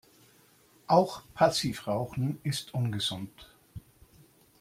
Auch Passivrauchen ist ungesund.